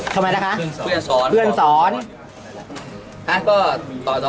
ก็ไม่มีใครแกล้งนะครับ